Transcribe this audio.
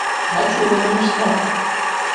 — А чулымын ыштат!